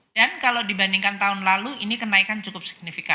dan kalau dibandingkan tahun lalu ini kenaikan cukup signifikan dua puluh tiga satu